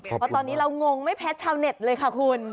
เพราะตอนนี้เรางงไม่แพ้ชาวเน็ตเลยค่ะคุณ